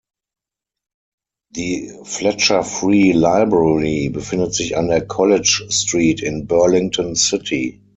Die "Fletcher Free Library" befindet sich an der "College Street" in Burlington City.